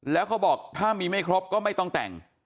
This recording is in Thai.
แล้วเขาบอกถ้ามีไม่ครบก็ไม่ต้องแต่ง